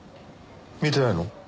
見てないの？